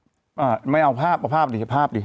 เออดูอ่าลองดูอันน้ำด้วยอ่าไม่เอาภาพเอาภาพดิภาพดิ